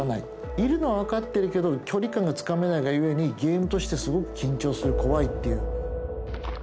いるのは分かってるけど距離感がつかめないがゆえにゲームとしてすごく緊張する怖いっていう。